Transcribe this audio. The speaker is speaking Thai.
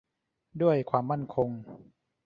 ด้วยความมั่นคง